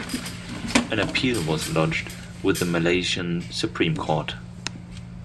An appeal was lodged with the Malaysian Supreme Court.